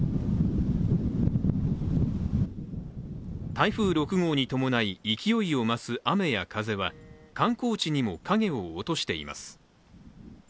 台風６号に伴い勢いを増す雨や風は観光地にも影を落としています。